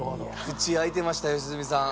口開いてました良純さん。